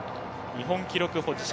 日本記録保持者